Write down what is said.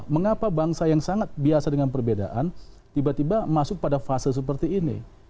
mengapa bangsa yang sangat biasa dengan perbedaan tiba tiba masuk pada fase seperti ini